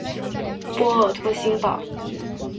波尔托新堡。